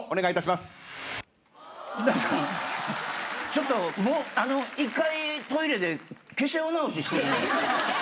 ちょっとあの１回トイレで化粧直し。